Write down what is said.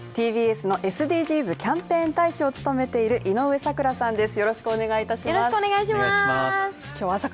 ＴＢＳのＳＤＧｓキャンペーン大使を務めている井上咲楽さんです